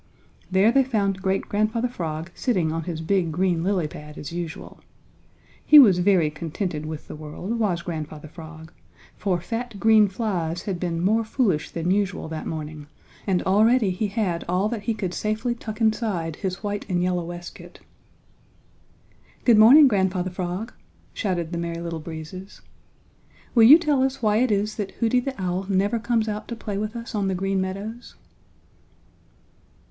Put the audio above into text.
There they found Great Grandfather Frog sitting on his big green lily pad as usual. He was very contented with the world, was Grandfather Frog, for fat green flies had been more foolish than usual that morning and already he had all that he could safely tuck inside his white and yellow waistcoat. "Good morning, Grandfather Frog," shouted the Merry Little Breezes. "Will you tell us why it is that Hooty the Owl never comes out to play with us on the Green Meadows?"